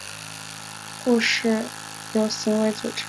故事由两组人物互相交错的行为组成。